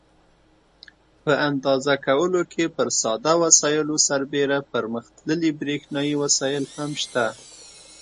په اندازه کولو کې پر ساده وسایلو سربیره پرمختللي برېښنایي وسایل هم شته.